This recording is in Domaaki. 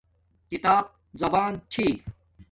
کتاب زبان چھی